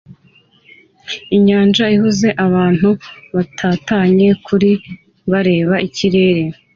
Inyanja ihuze abantu batatanye kuri yo bareba ikirere